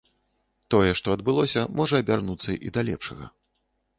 Тое, што адбылося, можа абярнуцца і да лепшага.